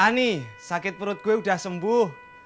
ani sakit perut gue udah sembuh